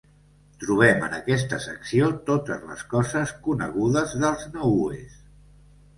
Trobem en aquesta secció totes les coses conegudes dels nahues.